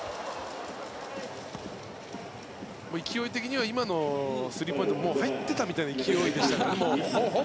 勢い的には今のスリーポイント入っていたみたいな勢いでしたから。